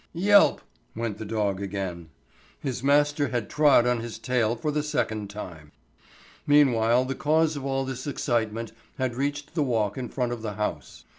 Yelp! went the dog again. His master had trod on his tail for the second time. Meanwhile the cause of all this excitement had reached the walk in front of the house.